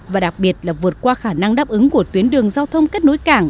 và đặc biệt là vượt qua khả năng đáp ứng của tuyến đường giao thông kết nối cảng